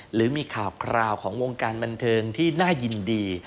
หรือมีข่าวคราวของวงการบันเทิงที่น่ายินดี